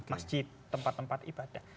masjid tempat tempat ibadah